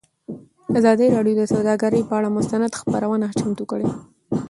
ازادي راډیو د سوداګري پر اړه مستند خپرونه چمتو کړې.